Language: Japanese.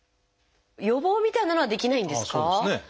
予防みたいなのはできないんですか？